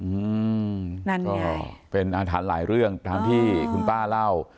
อืมนั่นก็เป็นอาถรรพ์หลายเรื่องตามที่คุณป้าเล่า